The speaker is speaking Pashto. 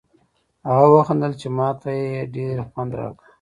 هغه و خندل چې ما ته یې ډېر خوند راکړ.